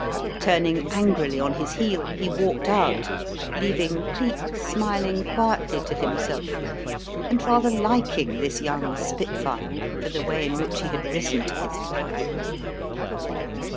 Turning angrily on his heel, he walked out, leaving Cleek smiling quietly to himself and rather liking this young spit fire for the way in which he had risen to his fly.